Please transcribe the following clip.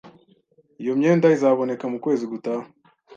“ iyo myenda izaboneka mu kwezi gutaha